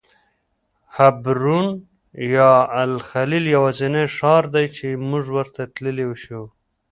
حبرون یا الخلیل یوازینی ښار دی چې موږ ورته تللی شو.